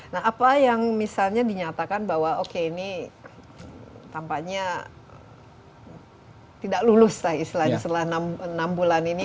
nah apa yang misalnya dinyatakan bahwa oke ini tampaknya tidak lulus lah istilahnya setelah enam bulan ini